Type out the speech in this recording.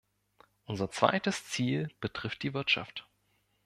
Unser zweites Ziel betrifft die Wirtschaft.